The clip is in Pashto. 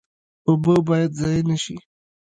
اوبه باید ضایع نشي